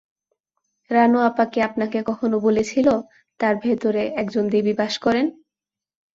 রানু আপা কি আপনাকে কখনো বলেছিল, তার ভেতরে একজন দেবী বাস করেন?